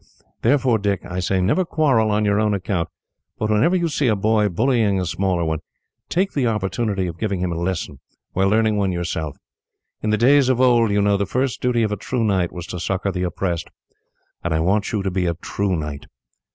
Therefore, Dick, I say, never quarrel on your own account, but whenever you see a boy bullying a smaller one, take the opportunity of giving him a lesson while learning one yourself. In the days of old, you know, the first duty of a true knight was to succour the oppressed, and I want you to be a true knight.